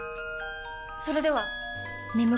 それでは！